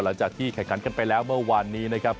หลังจากที่แข่งขันกันไปแล้วเมื่อวานนี้นะครับ